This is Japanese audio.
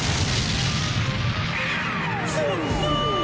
そんな！